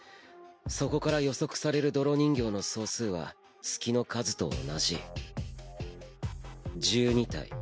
そこから予測される泥人形の総数は月の数と同じ１２体。